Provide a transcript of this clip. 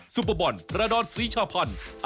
ซุปเปอร์บอลประดอนศรีชาพันธ์